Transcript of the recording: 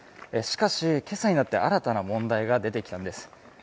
しかし今朝になって新たな問題が出てきたんです。